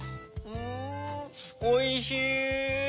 うんおいしい。